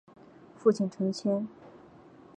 父亲陈谦。